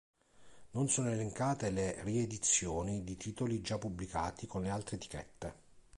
Non sono elencate le riedizioni di titoli già pubblicati con le altre etichette.